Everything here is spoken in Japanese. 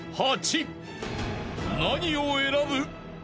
［何を選ぶ？］